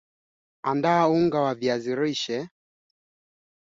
Uchaguzi wa Kenya mwaka wa elfu mbili ishirini na mbili: ushindani mkali.